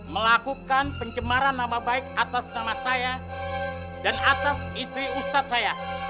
melakukan pencemaran nama baik atas nama saya dan atas istri ustadz saya